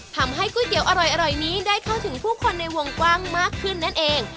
ก๋วยเตี๋ยวอร่อยนี้ได้เข้าถึงผู้คนในวงกว้างมากขึ้นนั่นเอง